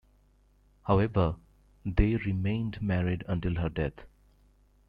However, they remained married until her death.